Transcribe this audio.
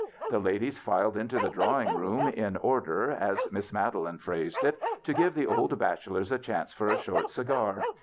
The ladies filed into the drawing room, in order, as Miss Madeline phrased it, to give the old bache lors a chance for a short cigar.